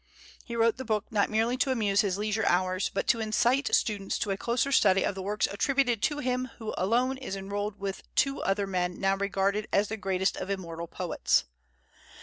He wrote the book not merely to amuse his leisure hours, but to incite students to a closer study of the works attributed to him who alone is enrolled with the two other men now regarded as the greatest of immortal poets.